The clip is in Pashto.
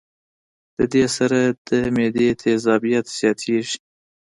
د دې سره د معدې تېزابيت زياتيږي